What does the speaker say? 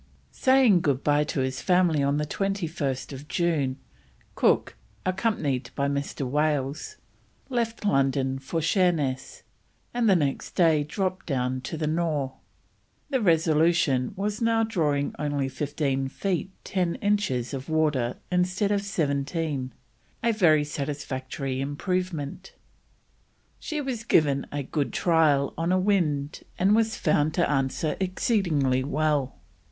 Saying goodbye to his family on 21st June, Cook, accompanied by Mr. Wales, left London for Sheerness, and the next day dropped down to the Nore. The Resolution was now drawing only fifteen feet ten inches of water instead of seventeen, a very satisfactory improvement. She was given a good trial on a wind, and was found "to answer exceeding well."